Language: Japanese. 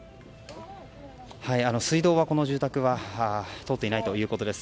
水道は、この住宅は通っていないということです。